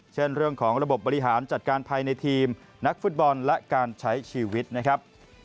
เช่นเรื่องของระบบบบริหารจัดการภายในทีมนักฟุตบอลและการใช้ชีวิตนะครับ